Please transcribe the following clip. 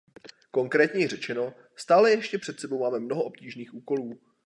Konkrétněji řečeno, stále ještě před sebou máme mnoho obtížných úkolů.